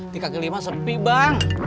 tiga kelima sepi bang